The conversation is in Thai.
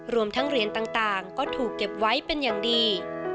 รวมทั้งเหรียญต่างก็ถูกเก็บไว้เป็นอย่างดี